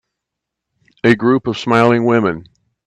A group of smiling women.